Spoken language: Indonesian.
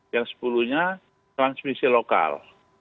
yang sepuluh nya transmisi lokal